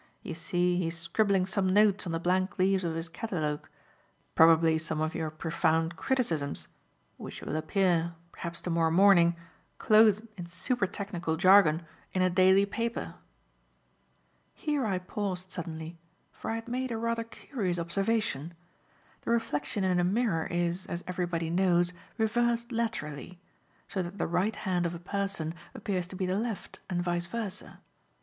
"You see he is scribbling some notes on the blank leaves of his catalogue; probably some of your profound criticisms, which will appear, perhaps to morrow morning, clothed in super technical jargon, in a daily paper." Here I paused suddenly, for I had made a rather curious observation. The reflection in a mirror is, as everybody knows, reversed laterally; so that the right hand of a person appears to be the left, and vice versa.